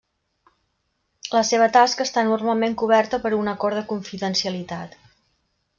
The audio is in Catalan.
La seva tasca està normalment coberta per un acord de confidencialitat.